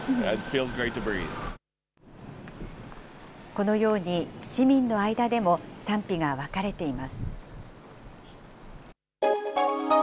このように、市民の間でも賛否が分かれています。